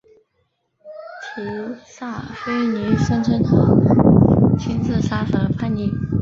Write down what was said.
提萨斐尼声称他亲自杀死了叛逆。